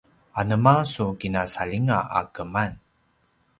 anema su kina saljinga a keman?